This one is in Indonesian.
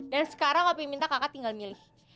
dan sekarang opi minta kakak tinggal milih